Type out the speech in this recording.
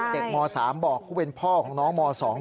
ม๓บอกผู้เป็นพ่อของน้องม๒